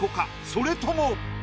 それとも。